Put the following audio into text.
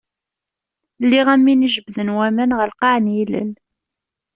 Lliɣ am win i jebden waman ɣer lqaɛ n yilel.